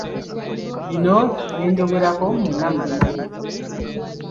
Bino bye njogerako mwenna mubimanyi.